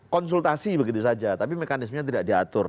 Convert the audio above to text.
konsultasi begitu saja tapi mekanismenya tidak diatur